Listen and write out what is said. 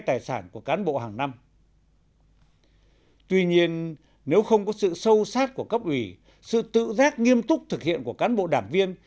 tuy nhiên nếu không có sự sâu sát của cấp ủy sự tự giác nghiêm túc thực hiện của cán bộ đảng viên